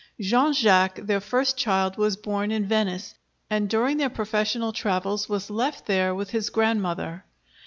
Jean Jacques, their first child, was born in Venice, and during their professional travels was left there with his grandmother.